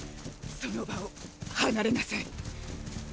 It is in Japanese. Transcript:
その場を離れなさい！